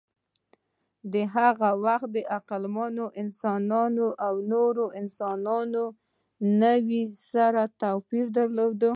د هغه وخت عقلمنو انسانانو له نورو انساني نوعو سره توپیر درلود.